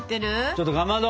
ちょっとかまど！